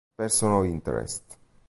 Person of Interest